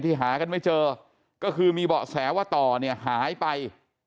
หากันไม่เจอก็คือมีเบาะแสว่าต่อเนี่ยหายไป